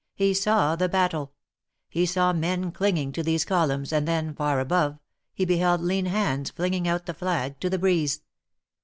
He saw the battle. He saw men clinging to these columns, and then far above, he beheld lean hands flinging out the flag to the breeze.